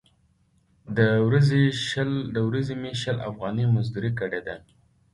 د ورځې مې شل افغانۍ مزدورۍ کړې ده.